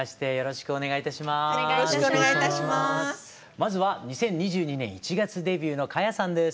まずは２０２２年１月デビューの花耶さんです。